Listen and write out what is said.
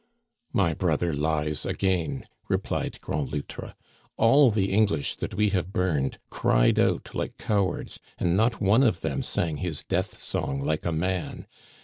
My brother lies again," replied Grand Loutre. "All the English that we have burned cried out like cowards, and not one of them sang his death song like a man.